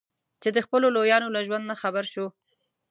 چې د خپلو لویانو له ژوند نه خبر شو.